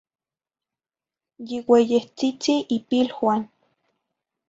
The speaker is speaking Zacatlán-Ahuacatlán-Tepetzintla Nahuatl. Yiueyehtzitzi ipiluan.